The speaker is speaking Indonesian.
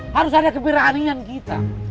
harus ada keberanian kita